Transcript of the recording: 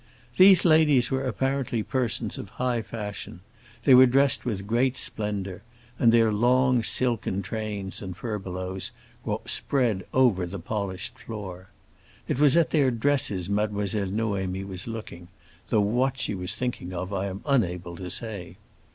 These ladies were apparently persons of high fashion; they were dressed with great splendor, and their long silken trains and furbelows were spread over the polished floor. It was at their dresses Mademoiselle Noémie was looking, though what she was thinking of I am unable to say.